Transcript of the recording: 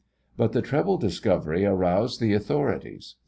But the treble discovery aroused the authorities.